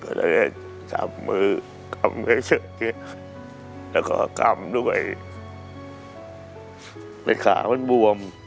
ก็ได้จับมือกลับไว้เชิดเย็นแล้วก็กลับด้วยเม็ดขากมันบวม